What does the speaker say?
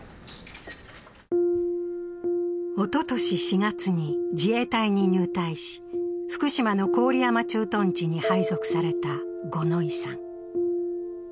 おととし４月に自衛隊に入隊し、福島の郡山駐屯地に配属された五ノ井さん。